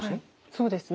そうですね。